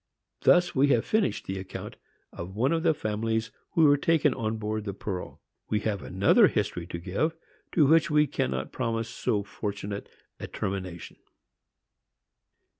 Thus have we finished the account of one of the families who were taken on board the Pearl. We have another history to give, to which we cannot promise so fortunate a termination.